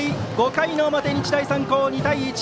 ５回の表、日大三高、２対１。